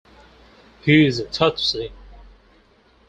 He is a Tutsi.